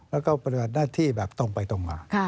แล้วก็ปฏิบัติหน้าที่แบบตรงไปตรงมา